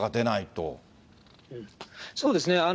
そうですね。